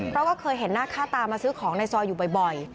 เพราะว่าเคยเห็นหน้าค่าตามาซื้อของในซอยอยู่บ่อย